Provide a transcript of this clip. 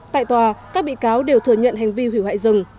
tại tòa các bị cáo đều thừa nhận hành vi hủy hoại rừng